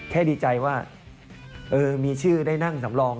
ดีใจว่ามีชื่อได้นั่งสำรอง